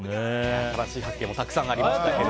新しい発見もたくさんありましたけど。